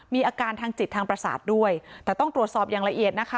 มีอาการทางจิตทางประสาทด้วยแต่ต้องตรวจสอบอย่างละเอียดนะคะ